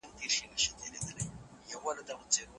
پر سوځېدلو ونو